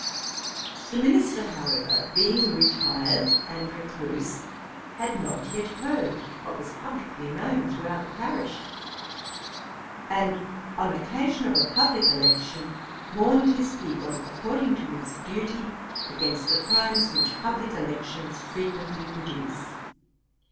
The minister, however, being retired and recluse, had not yet heard what was publickly known throughout the parish; and on occasion of a publick election, warned his people, according to his duty, against the crimes which publick elections frequently produce.